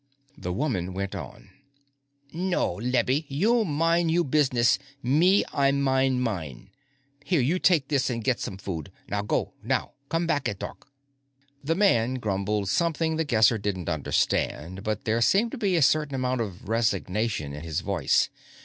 The woman went on. "No, Lebby; you mind you business; me, I mind mine. Here, you take you this and get some food. Now, go, now. Come back at dark." The man grumbled something The Guesser didn't understand, but there seemed to be a certain amount of resignation in his voice.